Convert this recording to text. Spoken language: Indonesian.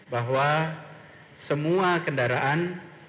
bahwa semua kendaraan